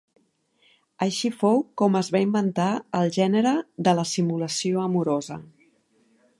Així fou com es va inventar el gènere de la simulació amorosa.